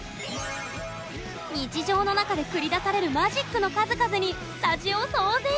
日常の中で繰り出されるマジックの数々にスタジオ騒然！